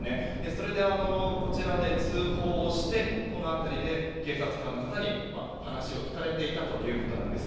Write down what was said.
それで、こちらで通報をしてこの辺りで警察官の方に話を聞かれていたということなんです。